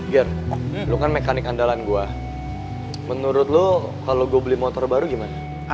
ger lu kan mekanik andalan gue menurut lo kalau gue beli motor baru gimana